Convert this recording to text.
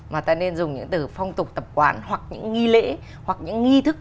mà ta nên dùng những từ phong tục tập quán hoặc những nghi lễ hoặc những nghi thức